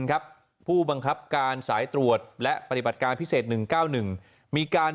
ครับผู้บังคับการสายตรวจและปฏิบัติการพิเศษ๑๙๑มีการ